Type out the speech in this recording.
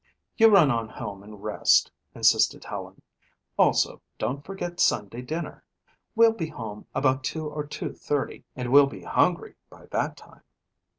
"You run on home and rest," insisted Helen. "Also, don't forget Sunday dinner. We'll be home about two or two thirty, and we'll be hungry by that time."